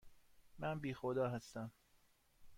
من بی خدا هستم.